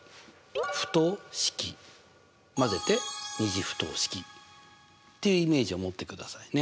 交ぜて２次不等式っていうイメージを持ってくださいね。